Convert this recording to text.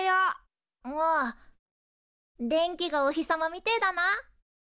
おお電気がお日様みてえだな。